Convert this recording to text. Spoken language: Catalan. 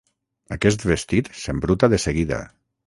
Aquest vestit s'embruta de seguida.